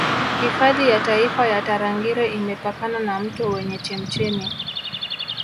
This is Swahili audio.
Hifadhi ya taifa ya Tarangire imepakana na mto wenye chemchemi